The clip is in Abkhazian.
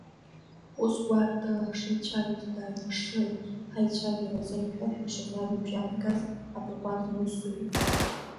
Ус гәаартыла ҳшеицәажәоз дааҩнашылеит ҳаицәажәара зырхьшәашәашаз ажәабжь аазгаз абаӷәаза усзуҩык.